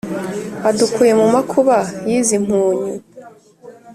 Adukuye mu makuba y'izi mpunyu